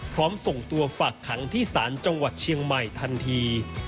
ส่งตัวฝากขังที่ศาลจังหวัดเชียงใหม่ทันที